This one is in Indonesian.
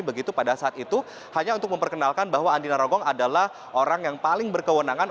begitu pada saat itu hanya untuk memperkenalkan bahwa andina rogong adalah orang yang paling berkewenangan